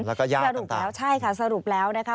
แล้วก็ญาติต่างใช่ค่ะสรุปแล้วนะคะ